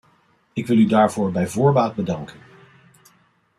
Ik wil u daarvoor bij voorbaat bedanken.